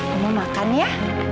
omah makan ya